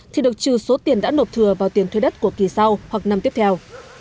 thì được trừ số tiền đã nộp thừa vào tiền thuê đất của kỳ sau hoặc năm tiếp theo